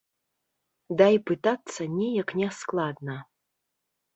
Дай пытацца неяк няскладна.